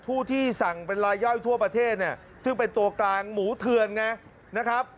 ผู้ที่สั่งเป็นรายย่อยทั่วประเทศเนี่ยซึ่งเป็นตัวกลางหมูเถือนไงนะครับ